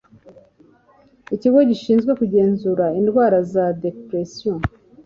Ikigo gishinzwe kugenzura indwara za depression